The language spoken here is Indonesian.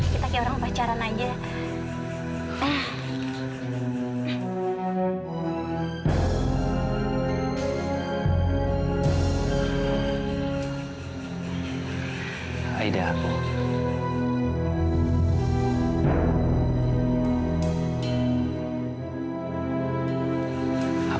kita kayak orang pacaran aja